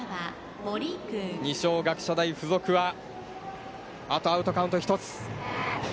二松学舎大付属は、あと、アウトカウント１つ。